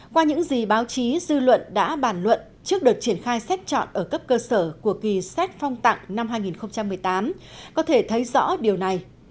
qua những gì báo chí dư luận đã bàn luận trước đợt triển khai xét chọn ở cấp cơ sở của kỳ xét phong tặng năm hai nghìn một mươi tám có thể thấy rõ điều này